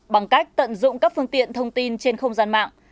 bằng cách tận dụng các phương tiện thông tin trên không gian mạng